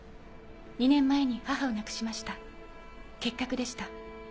２年前に母を亡くしました結核でした。